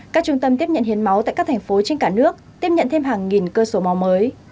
các trung tâm tiếp nhận hiến máu tại các thành phố trên cả nước tiếp nhận thêm hàng nghìn cơ sổ mò mới